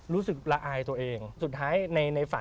รู้สึกละอายตัวเองสุดท้ายในฝัน